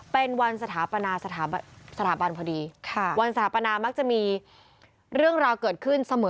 เป็นวันสถาปนาสถาบันพอดีวันสถาปนามักจะมีเรื่องราวเกิดขึ้นเสมอ